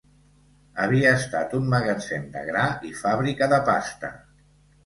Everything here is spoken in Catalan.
Havia estat un magatzem de gra i fàbrica de pasta.